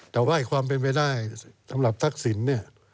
แต่ว่าความเป็นไปได้สำหรับทักษิณเนี่ย